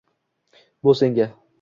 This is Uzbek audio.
Bu senga